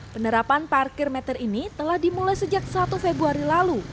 penerapan parkir meter ini telah dimulai sejak satu februari lalu